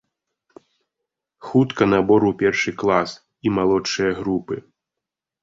Хутка набор у першы клас і малодшыя групы!